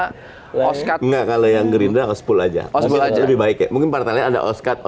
dochengnyapre embraced sure aja lebih baik mungkin partenanya ada oskat